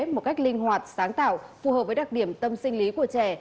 một cách linh hoạt sáng tạo phù hợp với đặc điểm tâm sinh lý của trẻ